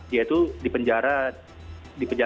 jadi kesal kesal kita